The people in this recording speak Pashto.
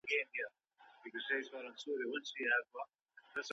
رسول اکرم صلی الله عليه وسلم د بيرته رجوع امر ورته وکړ.